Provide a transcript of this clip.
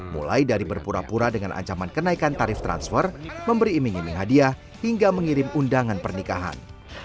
mulai dari berpura pura dengan ancaman kenaikan tarif transfer memberi iming iming hadiah hingga mengirim undangan pernikahan